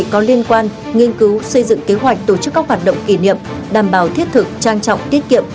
công an nhân dân liên quan nghiên cứu xây dựng kế hoạch tổ chức các hoạt động kỷ niệm đảm bảo thiết thực trang trọng tiết kiệm